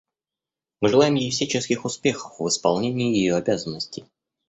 Мы желаем ей всяческих успехов в исполнении ее обязанностей.